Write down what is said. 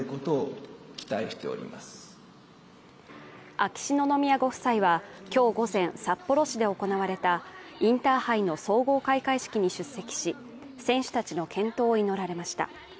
秋篠宮ご夫妻は今日午前、札幌市で行われたインターハイの総合開会式に出席し、選手たちの健闘を祈られました。